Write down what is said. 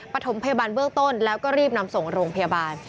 ปฐมพยาบาลเบื้องต้นแล้วก็รีบนำส่งโรงพยาบาล